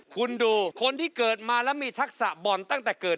คุณดูคนที่เกิดมาแล้วมีทักษะบ่อนตั้งแต่เกิด